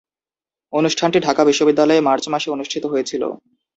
অনুষ্ঠানটি ঢাকা বিশ্ববিদ্যালয়ে মার্চ মাসে অনুষ্ঠিত হয়েছিলো।